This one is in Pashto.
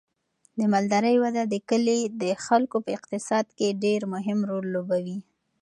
د مالدارۍ وده د کلي د خلکو په اقتصاد کې ډیر مهم رول لوبوي.